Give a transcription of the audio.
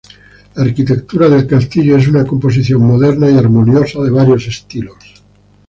La arquitectura del castillo es una composición moderna y armoniosa de varios estilos.